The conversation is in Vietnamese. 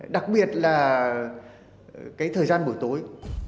đặc biệt là cái thời gian buổi tối